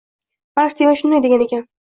Mark Tven shunday degan ekan: